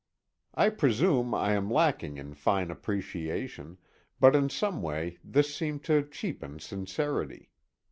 I presume I am lacking in fine appreciation, but in some way this seemed to cheapen sincerity.